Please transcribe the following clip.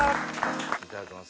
いただきます。